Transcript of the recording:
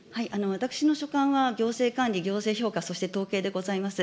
私の所管は行政管理、行政評価、そして統計でございます。